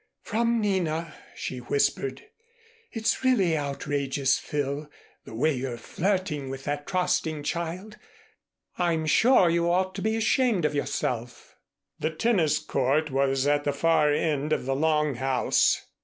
"From Nina," she whispered. "It's really outrageous, Phil, the way you're flirting with that trusting child. I'm sure you ought to be ashamed of yourself." The tennis court was at the far end of the long house.